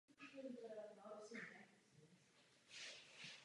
Onemocnění je rozšířené zejména v Africe a některých částech Asie.